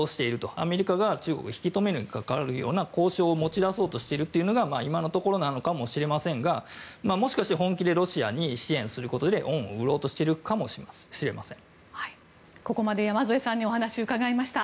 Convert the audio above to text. アメリカが中国を引き止めにかかるような交渉を持ち出そうとしているというのが今のところなのかもしれませんがもしかして本気でロシアに支援することで恩を売ろうとしているかもしれません。